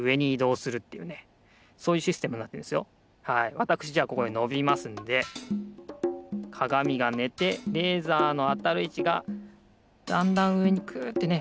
わたくしじゃあここでのびますんでかがみがねてレーザーのあたるいちがだんだんうえにクッてね